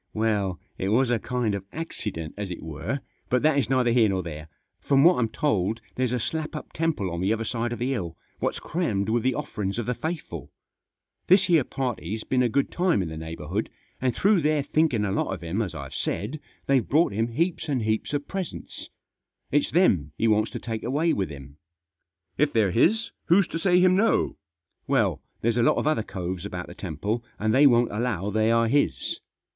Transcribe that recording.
" Well, it was a kind of accident, as it were ; but that is neither here nor there. From what I'm told there's a slap up temple on the other side of the hill, what's crammed with the offerings of the faithful. This here party's been a good time in the neighbour hood, and through their thinking a lot of him, as I've said, they've brought him heaps and heaps of presents. It's them he wants to take away with him." " If they're his who's to say him no ?"" Well, there's a lot of other coves about the temple, and they won't allow they are his.